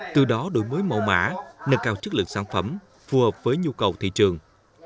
từ đó đổi mới mẫu mã nâng cao chất lượng sản phẩm phù hợp với nhu cầu thị trường